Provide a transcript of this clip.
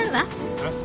えっ？